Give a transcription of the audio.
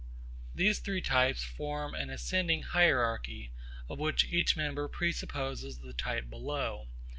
These three types form an ascending hierarchy, of which each member presupposes the type below.